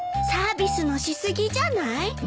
サービスのし過ぎじゃない？